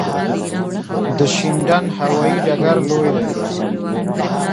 د شینډنډ هوايي ډګر لوی دی